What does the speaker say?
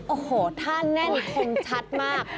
โอ้โหท่าแน่นคมชัดมาก